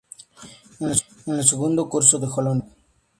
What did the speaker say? En el segundo curso dejó la universidad.